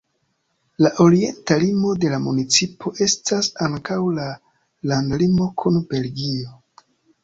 La orienta limo de la municipo estas ankaŭ la landlimo kun Belgio.